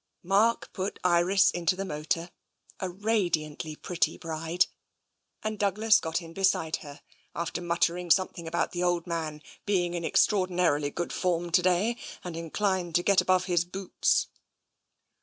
Mark put Iris into the motor — a radiantly pretty bride — and Douglas got in beside her, after mutter ing something about the old man being in extraordi narily good form to day and inclined to get above his boots.